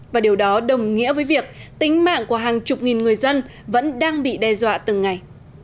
và điều đó đồng nghĩa với việc tính mạng của hàng chục nghìn người dân vẫn đang bị đe dọa từng ngày